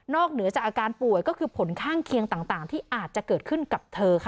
เหนือจากอาการป่วยก็คือผลข้างเคียงต่างที่อาจจะเกิดขึ้นกับเธอค่ะ